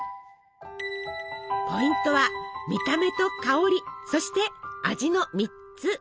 ポイントは見た目と香りそして味の３つ。